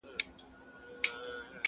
دوو یارانو ته په سرو سترګو ګویا سو!